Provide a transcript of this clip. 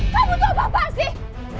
kamu tuh apaan sih